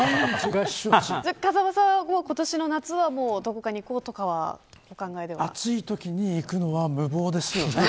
風間さんは今年の夏はどこかに行こうとかは暑いときに行くのは無謀です。